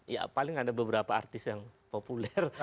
ya paling ada beberapa artis yang populer